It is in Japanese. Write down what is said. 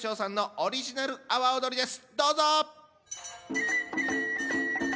オリジナル阿波おどりです。